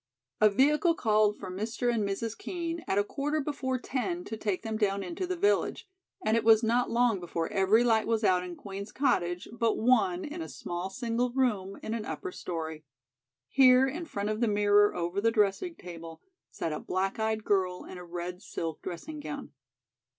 A vehicle called for Mr. and Mrs. Kean at a quarter before ten to take them down into the village, and it was not long before every light was out in Queen's Cottage but one in a small single room in an upper story. Here, in front of the mirror over the dressing table, sat a black eyed girl in a red silk dressing gown.